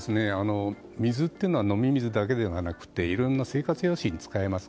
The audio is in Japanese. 水というのは飲み水だけではなくていろんな生活用水に使えます。